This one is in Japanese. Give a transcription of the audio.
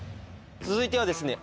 続いてはですね